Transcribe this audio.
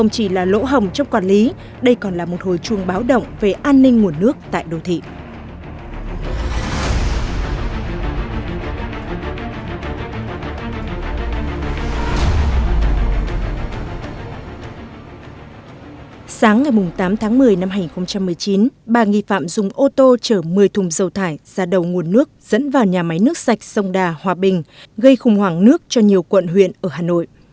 sáng ngày tám tháng một mươi năm hai nghìn một mươi chín ba nghi phạm dùng ô tô chở một mươi thùng dầu thải ra đầu nguồn nước dẫn vào nhà máy nước sạch sông đà hòa bình gây khủng hoảng nước cho nhiều quận huyện ở hà nội